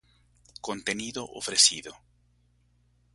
Contenido ofrecido